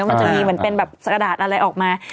มันจะมีเหมือนเป็นแบบกระดาษอะไรออกมา